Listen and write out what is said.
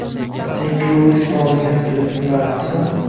Sen-ku «Islom» degan so‘zning ma’nosin